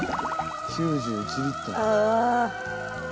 ９１リットル。